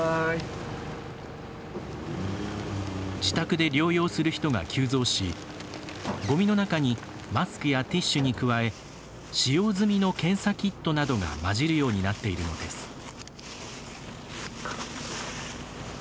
自宅で療養する人が急増しごみの中にマスクやティッシュに加え使用済みの検査キットなどが混じるようになっているのです。